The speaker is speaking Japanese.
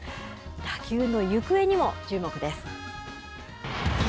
打球の行方にも注目です。